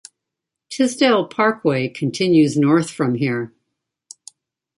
Tisdale Parkway continues north from here.